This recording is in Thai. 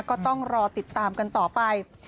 ก็ต้องรอติดตามกันต่อไป